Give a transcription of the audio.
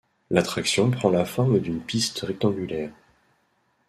L'attraction prend la forme d'une piste rectangulaire.